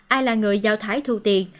ai là người giao thái thu tiền